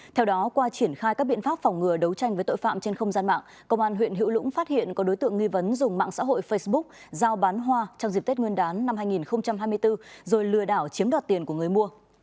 theo đó qua triển khai các biện pháp phòng ngừa đấu tranh với tội phạm trên không gian mạng công an huyện hữu lũng phát hiện có đối tượng nghi vấn dùng mạng xã hội facebook giao bán hoa trong dịp tết nguyên đán năm hai nghìn hai mươi bốn rồi lừa đảo chiếm đoạt tiền của người mua